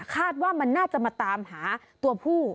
คาดว่ามันน่าจะมาตามหาตัวผู้